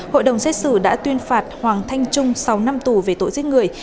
hội đồng xét xử đã tuyên phạt hoàng thanh trung sáu năm tù về tội giết người